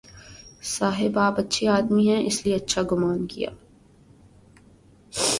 صاحب آپ اچھے آدمی ہیں، اس لیے اچھا گمان کیا۔